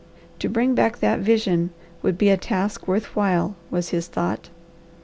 To bring back that vision would be a task worth while was his thought.